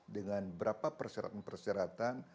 dengan berapa perseratan perseratan